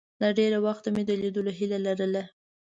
له ډېره وخته مې د لیدلو هیله لرله.